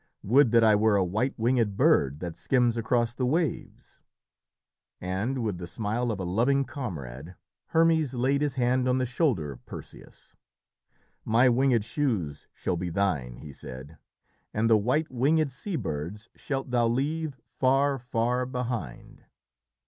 "Would that I were a white winged bird that skims across the waves." And, with the smile of a loving comrade, Hermes laid his hand on the shoulder of Perseus. "My winged shoes shall be thine," he said, "and the white winged sea birds shalt thou leave far, far behind."